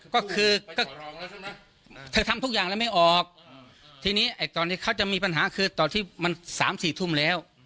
ก็คือแกทำทุกอย่างแล้วไม่ออกทีนี้ตอนนี้เขาจะมีปัญหาคือตลาดที่๓๔ทุ่มแล้ว